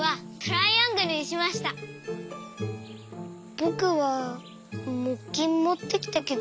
ぼくはもっきんもってきたけど。